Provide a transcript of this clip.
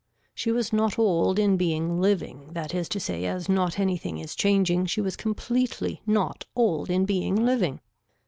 She was not old in being living that is to say as not anything is changing she was completely not old in being living.